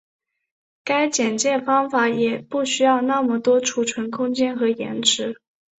该简化方法也不需要那么多存储空间和延迟。